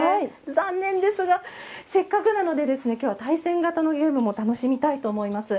残念ですが、せっかくなのできょうは対戦型のゲームも楽しみたいと思います。